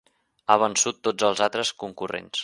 Ha vençut tots els altres concurrents.